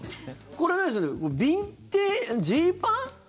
これ、ビンテージジーパン？